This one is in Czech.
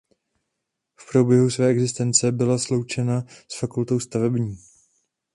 V průběhu své existence byla sloučena s fakultou stavební.